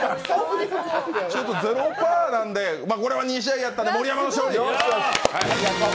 ゼロ％なんで、２試合やったんで盛山の勝利！